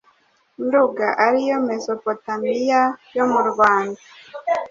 Nduga » ari yo Mezopotamiya yo mu Rwanda.